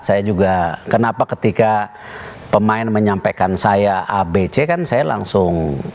saya juga kenapa ketika pemain menyampaikan saya abc kan saya langsung